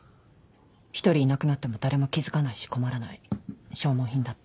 １人いなくなっても誰も気付かないし困らない消耗品だって。